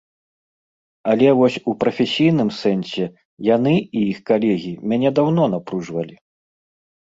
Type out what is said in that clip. Але вось у прафесійным сэнсе яны і іх калегі мяне даўно напружвалі.